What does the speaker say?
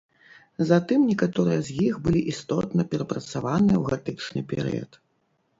Затым некаторыя з іх былі істотна перапрацаваныя ў гатычны перыяд.